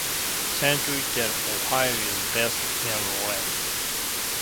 CenturyTel of Ohio is based in Lorain.